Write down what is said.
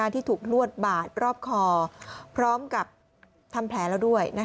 ที่ถูกลวดบาดรอบคอพร้อมกับทำแผลแล้วด้วย